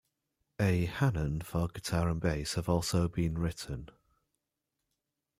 A "Hanon" for guitar and bass have also been written.